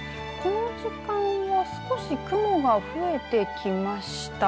この時間は少し雲が増えてきました。